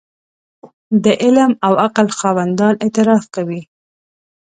د علم او عقل خاوندان اعتراف کوي.